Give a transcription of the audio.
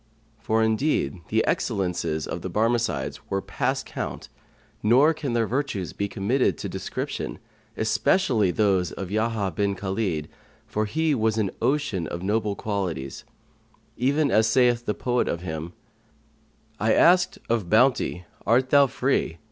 For, indeed, the excellences of the Barmecides were past count nor can their virtues be committed to description, especially those of Yahya bin Khalid, for he was an ocean[FN#132] of noble qualities, even as saith the poet of him, "I asked of Bounty, Art thou free?'